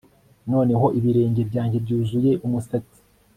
noneho ibirenge byanjye byuzuye umusatsi